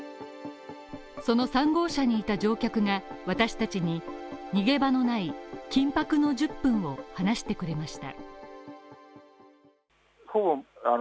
その３号車にいた乗客が私達に、逃げ場のない緊迫の１０分を話してくれました。